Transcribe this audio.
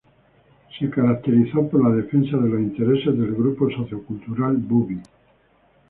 Se caracterizó por la defensa de los intereses del grupo sociocultural bubi.